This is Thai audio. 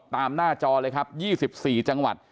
หน้าจอเลยครับ๒๔จังหวัด